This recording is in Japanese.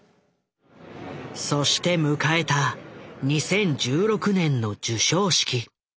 そして迎えた２０１６年の授賞式。